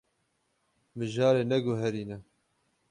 Mijarê neguherîne.